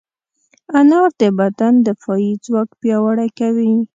انار د بدن دفاعي ځواک پیاوړی کوي.